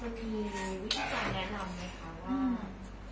พี่จ้ายแนะนำหรือยังไงคะ